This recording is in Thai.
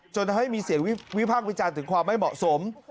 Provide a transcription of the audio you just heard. จนทำให้มีเสียงวิพากษ์วิจารณ์ถึงความไม่เหมาะสม